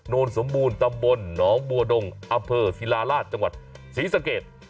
นสมบูรณ์ตำบลหนองบัวดงอำเภอศิลาราชจังหวัดศรีสะเกด